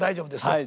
はい！